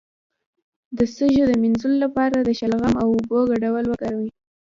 د سږو د مینځلو لپاره د شلغم او اوبو ګډول وکاروئ